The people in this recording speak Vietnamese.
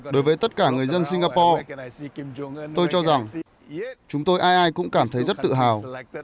đối với tất cả người dân singapore tôi cho rằng chúng tôi ai ai cũng cảm thấy rất tự hào